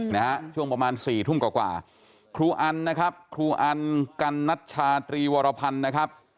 นะฮะช่วงประมาณสี่ทุ่มกว่ากว่าครูอันนะครับครูอันกันนัชชาตรีวรพันธ์นะครับ